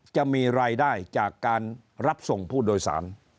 จะมีรายได้จากการรับส่งผู้โดยสาร